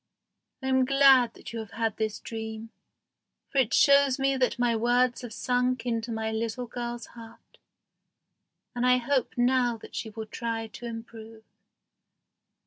I am glad that you have had this dream, for it shows me that my words have sunk into my little girl's heart, and I hope now that she will try to improve."